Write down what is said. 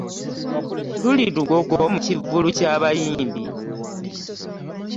Tuli Lugogo mu kivvulu kya bayimbi.